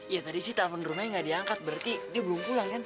ya tadi sih telepon rumahnya nggak diangkat berarti dia belum pulang kan